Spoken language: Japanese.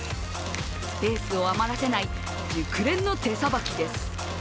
スペースを余らせない熟練の手さばきです。